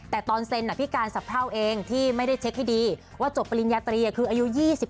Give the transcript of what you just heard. แต่ตอนเซ็นพิการสะเพราเองที่ไม่ได้เช็คให้ดีว่าจบปริญญาตรีคืออายุ๒๓